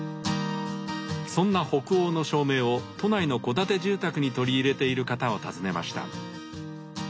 そんな北欧の照明を都内の戸建て住宅に取り入れている方を訪ねました。